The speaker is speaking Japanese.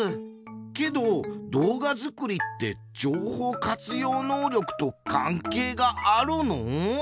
けど動画作りって情報活用能力と関係があるの？